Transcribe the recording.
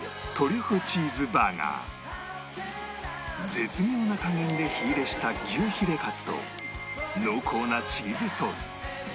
絶妙な加減で火入れした牛ヒレカツと濃厚なチーズソース